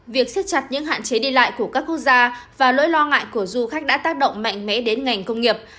việc xếp chặt những hạn chế đi lại của các quốc gia và nỗi lo ngại của du khách đã tác động mạnh mẽ đến ngành công nghiệp